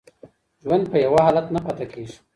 ژوند په یوه حالت نه پاتې کیږي.